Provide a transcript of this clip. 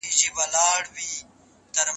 تر څو ستونزي په اسانۍ سره هواري سي.